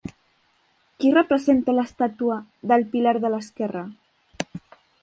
Qui representa l'estàtua del pilar de l'esquerra?